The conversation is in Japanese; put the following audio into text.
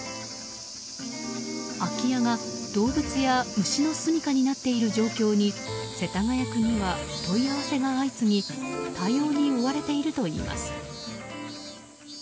空き家が動物や虫のすみかになっている状況に世田谷区には問い合わせが相次ぎ対応に追われているといいます。